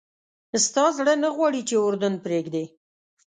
ستا زړه نه غواړي چې اردن پرېږدې.